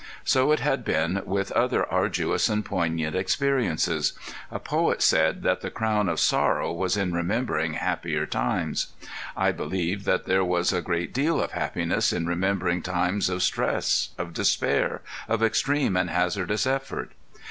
So it had been with other arduous and poignant experiences. A poet said that the crown of sorrow was in remembering happier times: I believed that there was a great deal of happiness in remembering times of stress, of despair, of extreme and hazardous effort.